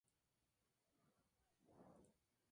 Florece de abril a septiembre.